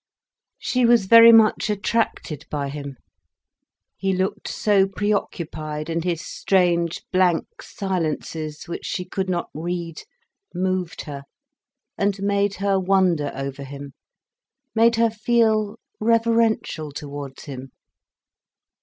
She was very much attracted by him. He looked so preoccupied, and his strange, blank silences, which she could not read, moved her and made her wonder over him, made her feel reverential towards him.